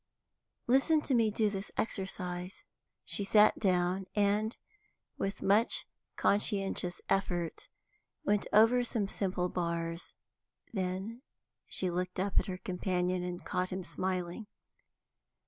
Listen to me do this exercise." She sat down, and, with much conscientious effort, went over some simple bars. Then she looked up at her companion and caught him smiling.